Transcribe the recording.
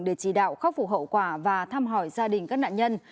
để chỉ đạo khắc phục hậu quả và thăm hỏi gia đình các nạn nhân